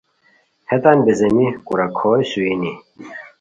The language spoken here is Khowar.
ہیتان بیزیمی کورا کھوئے سوئینی